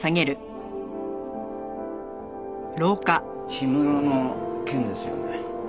氷室の件ですよね？